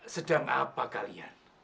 sedang apa kalian